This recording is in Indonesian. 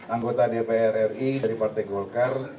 anggota dpr ri dari partai golkar